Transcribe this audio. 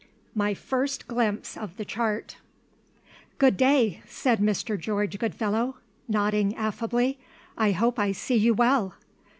MY FIRST GLIMPSE OF THE CHART. "Good day," said Mr. George Goodfellow, nodding affably. "I hope I see you well."